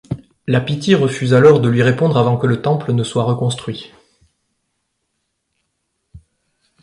La Pythie refuse alors de lui répondre avant que le temple ne soit reconstruit.